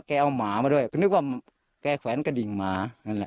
แกเอาหมามาด้วยก็นึกว่าแกแขวนกระดิ่งหมา